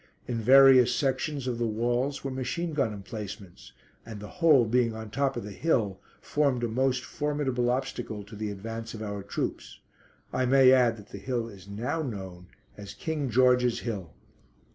In various sections of the walls were machine gun emplacements, and the whole being on the top of the hill, formed a most formidable obstacle to the advance of our troops. I may add that the hill is now known as "King George's Hill."